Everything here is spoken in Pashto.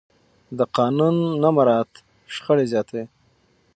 د قانون نه مراعت شخړې زیاتوي